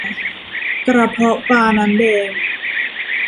กระเพาะปลาน้ำแดง